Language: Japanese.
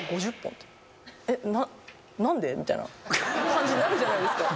みたいな感じになるじゃないですか。